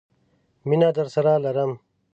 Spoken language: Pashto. مینه درسره لرم!